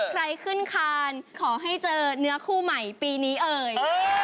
ใครขึ้นคานขอให้เจอเนื้อคู่ใหม่ปีนี้เอ่ย